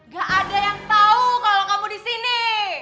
gak ada yang tahu kalau kamu di sini